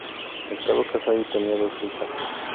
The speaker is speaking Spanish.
Estaba casado y tenía dos hijas.